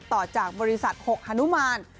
ต่อจากบริษัท๖ฮนุมาน